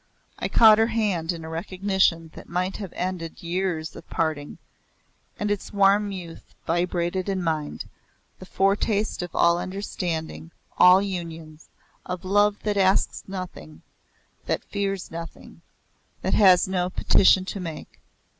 I caught her hand in a recognition that might have ended years of parting, and its warm youth vibrated in mine, the foretaste of all understanding, all unions, of love that asks nothing, that fears nothing, that has no petition to make.